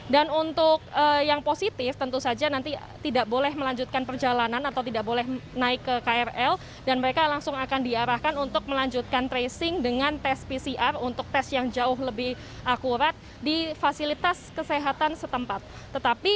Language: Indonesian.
dan untuk yang positif tentu saja nanti tidak boleh melanjutkan perjalanan atau tidak boleh naik ke krl dan mereka langsung akan diarahkan untuk melanjutkan tracing dengan tes pcr untuk tes yang jauh lebih akurat di fasilitas kesehatan setempat